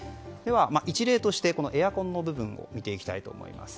一例としてエアコンの部分を見ていきます。